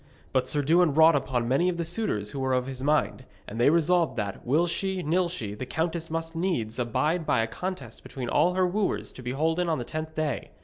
But Sir Dewin wrought upon many of the suitors who were of his mind, and they resolved that, will she, nill she, the countess must needs abide by a contest between all her wooers to be holden on the tenth day.